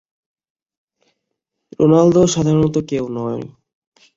রোনালদোও সাধারণ কেউ নন।